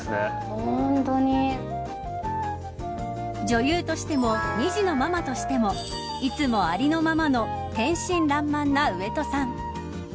女優としても２児のママとしてもいつもありのままの天真らんまんな上戸さん。